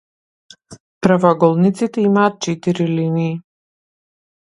Правоаголниците имаат четири линии.